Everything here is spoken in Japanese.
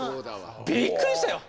びっくりしたよ。